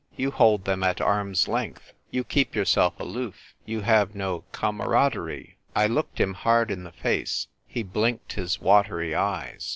You hold them at arm's length. You keep yourself aloof. You have no camaraderie.^^ I looked him hard in the face. He blinked his watery eyes.